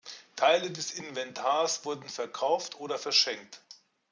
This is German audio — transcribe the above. Teile des Inventars wurden verkauft oder verschenkt.